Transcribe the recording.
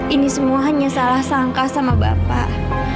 ini semuanya salah sangka sama bapak